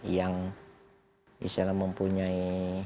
yang misalnya mempunyai